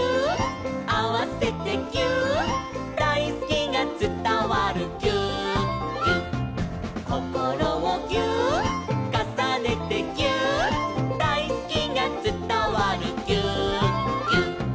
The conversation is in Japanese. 「あわせてぎゅーっ」「だいすきがつたわるぎゅーっぎゅっ」「こころをぎゅーっ」「かさねてぎゅーっ」「だいすきがつたわるぎゅーっぎゅっ」